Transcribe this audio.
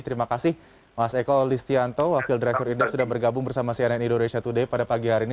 terima kasih mas eko listianto wakil driver indef sudah bergabung bersama cnn indonesia today pada pagi hari ini